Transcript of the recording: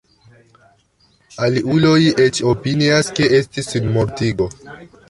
Aliuloj eĉ opinias ke estis sinmortigo.